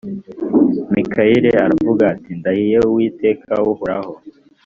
mikaya aravuga ati ndahiye uwiteka uhoraho